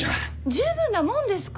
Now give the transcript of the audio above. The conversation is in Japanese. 十分なもんですか。